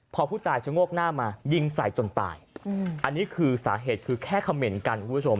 พอผู้ตายชะโงกหน้ามายิงใส่จนตายอันนี้คือสาเหตุคือแค่เขม่นกันคุณผู้ชม